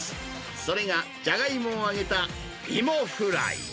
それがじゃがいもを揚げたいもフライ。